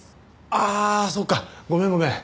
あーそっかごめんごめん。